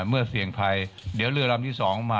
เมื่อเสี่ยงภัยเดี๋ยวเรือลำที่๒มา